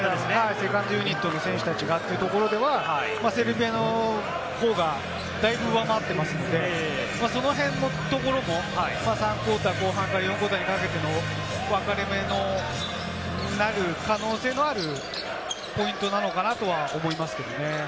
セカンドユニットの選手たちがというところではセルビアの方がだいぶ上回っていますので、その辺のところも、３クオーターから４クオーターにかけてもわかれ目になる可能性のあるポイントなのかなとは思いますね。